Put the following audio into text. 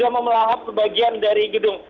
yang memelahap bagian dari gedung